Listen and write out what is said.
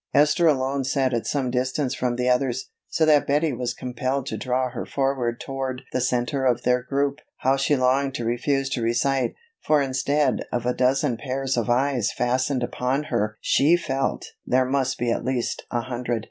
Esther alone sat at some distance from the others, so that Betty was compelled to draw her forward toward the center of their group. How she longed to refuse to recite, for instead of a dozen pairs of eyes fastened upon her she felt there must be at least a hundred!